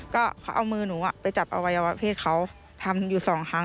ก็เขาเอามือหนูไปจับอวัยวะเพศเขาทำอยู่สองครั้ง